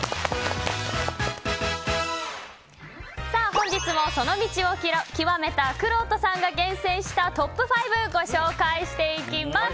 本日もその道を究めたくろうとさんが厳選したトップ５、ご紹介していきます。